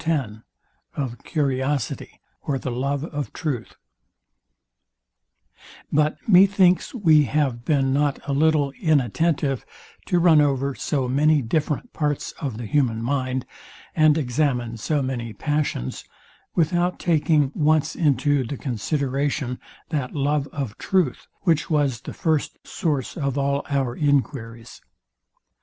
SECT. X OF CURIOSITY, OR THE LOVE OF TRUTH But methinks we have been not a little inattentive to run over so many different parts of the human mind, and examine so many passions, without taking once into the consideration that love of truth, which was the first source of all our enquiries.